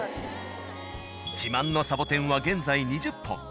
自慢のサボテンは現在２０本。